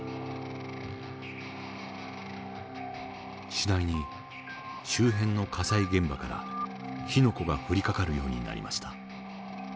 次第に周辺の火災現場から火の粉が降りかかるようになりました。